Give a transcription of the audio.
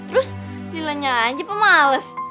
terus dilanya aja pemales